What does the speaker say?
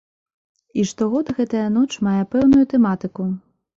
І штогод гэтая ноч мае пэўную тэматыку.